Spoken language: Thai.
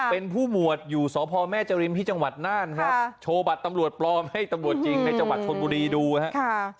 เป็นผู้หมวดอยู่สพแม่จริมที่จังหวัดน่านครับโชว์บัตรตำรวจปลอมให้ตำรวจจริงในจังหวัดชนบุรีดูนะครับ